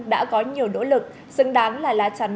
đã có nhiều nỗ lực xứng đáng là lá chắn